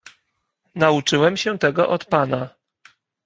"Nauczyłem się tego od pana."